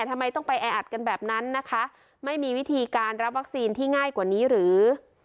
ทำไมต้องไปแออัดกันแบบนั้นนะคะไม่มีวิธีการรับวัคซีนที่ง่ายกว่านี้หรือ